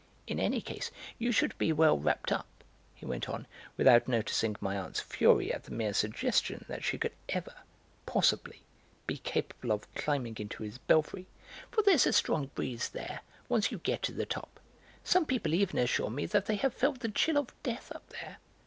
In any case you should be well wrapped up," he went on, without noticing my aunt's fury at the mere suggestion that she could ever, possibly, be capable of climbing into his belfry, "for there's a strong breeze there, once you get to the top. Some people even assure me that they have felt the chill of death up there.